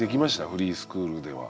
フリースクールでは。